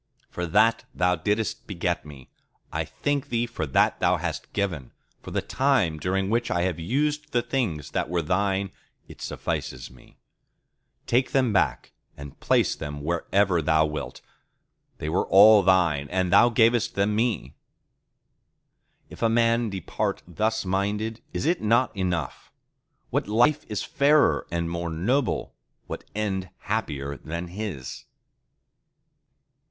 For that Thou didst beget me, I thank Thee for that Thou hast given: for the time during which I have used the things that were Thine, it suffices me. Take them back and place them wherever Thou wilt! They were all Thine, and Thou gavest them me."—If a man depart thus minded, is it not enough? What life is fairer and more noble, what end happier than his?